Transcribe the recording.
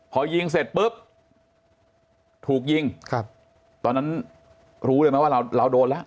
พอยิงเสร็จปุ๊บถูกยิงครับตอนนั้นรู้เลยไหมว่าเราเราโดนแล้ว